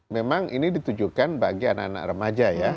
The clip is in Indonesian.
memang ini ditujukan bagi anak anak remaja ya